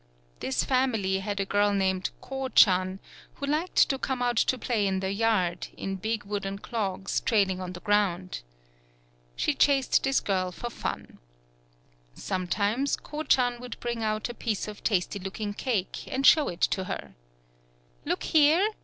This family had a girl named Ko chan, who liked to come out to play in the yard, in big wooden clogs trailing on the ground. She chased this girl for fun. Some times, Ko chan would bring out a piece of tasty looking cake and show it to her. "Look here!